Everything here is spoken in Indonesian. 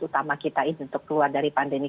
utama kita ini untuk keluar dari pandemi